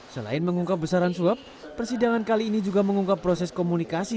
selain mengungkap besaran suap persidangan kali ini juga mengungkap proses komunikasi